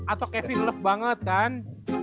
atau kevin love banget kan